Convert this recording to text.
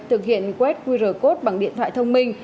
thực hiện quét qr code bằng điện thoại thông minh